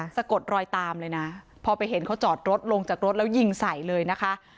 สะกดรอยตามเลยนะพอไปเห็นเขาจอดรถลงจากรถแล้วยิงใส่เลยนะคะ